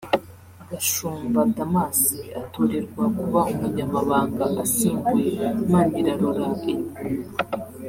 Gashumba Damas atorerwa kuba Umunyamabanga asimbuye Manirarora Elie